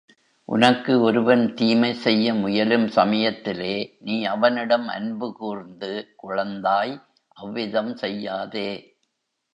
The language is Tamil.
உனக்கு ஒருவன் தீமை செய்ய முயலும் சமயத்திலே நீ அவனிடம் அன்புகூர்ந்து, குழந்தாய், அவ்விதம் செய்யாதே.